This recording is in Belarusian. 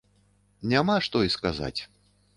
Няма што і сказаць.